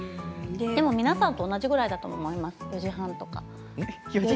でも皆さんと同じぐらいだと思います、４時半とか。